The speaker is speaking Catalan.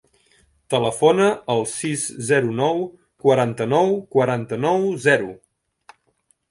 Telefona al sis, zero, nou, quaranta-nou, quaranta-nou, zero.